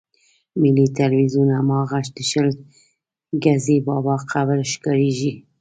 ملي ټلویزیون هماغه د شل ګزي بابا قبر ښکارېږي.